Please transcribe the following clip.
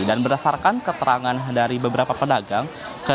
dan berdasarkan keterangan dari beberapa pedagang